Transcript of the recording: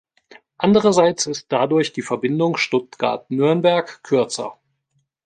Andererseits ist dadurch die Verbindung Stuttgart–Nürnberg kürzer.